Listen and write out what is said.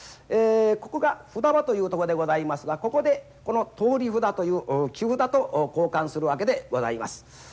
ここが札場というとこでございますがここでこの通り札という木札と交換するわけでございます。